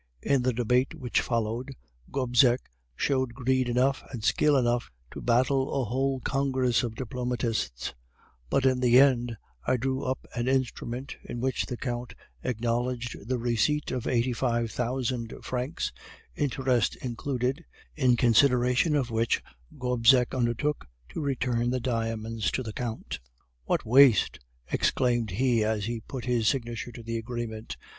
"In the debate which followed, Gobseck showed greed enough and skill enough to baffle a whole congress of diplomatists; but in the end I drew up an instrument, in which the Count acknowledged the receipt of eighty five thousand francs, interest included, in consideration of which Gobseck undertook to return the diamonds to the Count. "'What waste!' exclaimed he as he put his signature to the agreement.